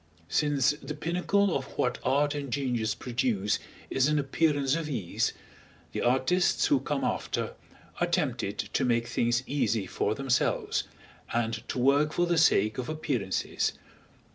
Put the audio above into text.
Since the pinnacle of what art and genius produce is an appearance of ease, the artists who come after are tempted to make things easy for themselves, and to work for the sake of appearances.